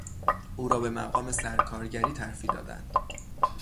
او را به مقام سرکارگری ترفیع دادند.